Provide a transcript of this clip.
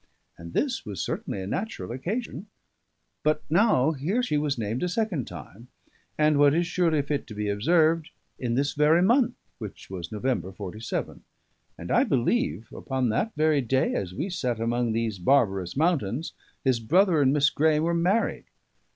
And this was certainly a natural occasion; but now here she was named a second time; and what is surely fit to be observed, in this very month, which was November, 'Forty seven, and I believe upon that very day as we sat among these barbarous mountains, his brother and Miss Graeme were married.